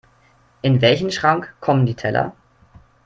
In welchen Schrank kommen die Teller?